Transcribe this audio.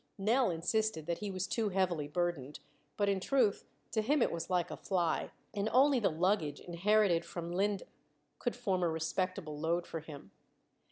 Nell insisted that he was too heavily burdened, but in truth to him it was like a fly, and only the luggage inherited from Linde could form a respectable load for him.